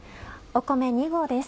米２合です。